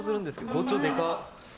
包丁でかっ。